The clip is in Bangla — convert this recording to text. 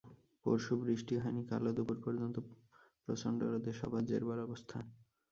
পরশু বৃষ্টি হয়নি, কালও দুপুর পর্যন্ত প্রচণ্ড রোদে সবার জেরবার অবস্থা।